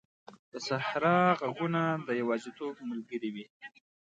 د صحرا ږغونه د یوازیتوب ملګري وي.